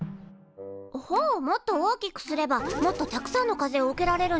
ほをもっと大きくすればもっとたくさんの風を受けられるんじゃない？